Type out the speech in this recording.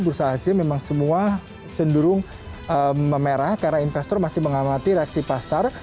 bursa asia memang semua cenderung memerah karena investor masih mengamati reaksi pasar